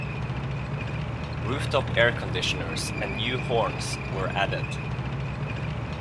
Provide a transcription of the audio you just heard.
Rooftop air conditioners and new horns were added.